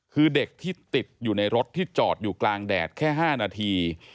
คือเด็กที่ติดอยู่ในรถที่จอดอยู่กลางแดดแค่๕นาที